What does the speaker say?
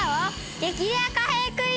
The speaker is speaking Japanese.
激レア貨幣クイズ！